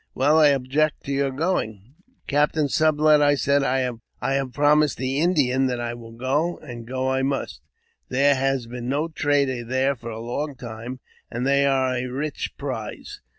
" Well, I object to your going." " Captain Sublet," I said, "I have promised the Indian that I will go, and go I must. There has been no trader there for a long time, and they are a rich prize."